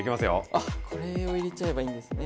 あっこれを入れちゃえばいいんですね